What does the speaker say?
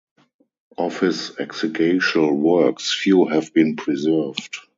Of his exegetical works few have been preserved.